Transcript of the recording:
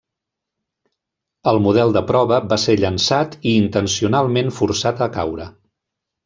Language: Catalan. El model de prova va ser llançat i intencionalment forçat a caure.